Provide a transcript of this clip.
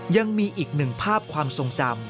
ยังมีอีกหนึ่งภาพความทรงจำ